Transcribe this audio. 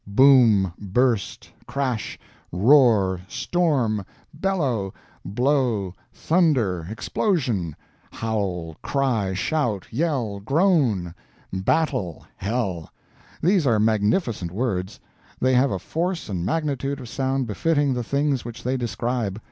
Boom, burst, crash, roar, storm, bellow, blow, thunder, explosion; howl, cry, shout, yell, groan; battle, hell. These are magnificent words; the have a force and magnitude of sound befitting the things which they describe.